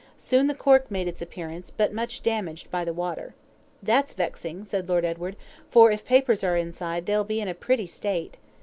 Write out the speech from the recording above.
Soon the cork made its appearance, but much damaged by the water. "That's vexing," said Lord Edward, "for if papers are inside, they'll be in a pretty state!"